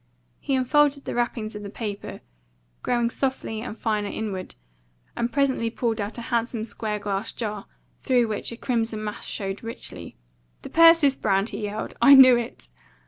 He unfolded the wrappings of paper, growing softer and finer inward, and presently pulled out a handsome square glass jar, through which a crimson mass showed richly. "The Persis Brand!" he yelled. "I knew it!"